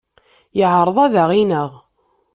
Yeɛreḍ ad aɣ-ineɣ.